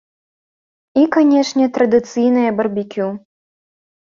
І, канешне, традыцыйнае барбекю.